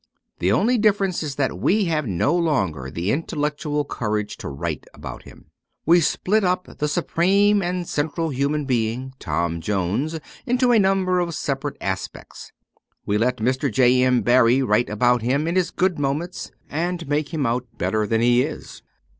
The only difference is that we have no longer the intellectual courage to write about him. We split up the supreme and central human being, Tom Jones, into a number of separate aspects. We let Mr. J. M. Barrie write about him in his good moments, and make him out better than he is.